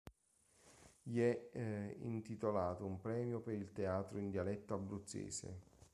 Gli è intitolato un premio per il teatro in dialetto abruzzese.